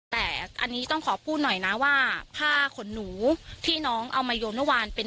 แต่อันนี้ต้องขอพูดหน่อยนะว่าผ้าขนหนูที่น้องเอามาโยมเมื่อวานเป็น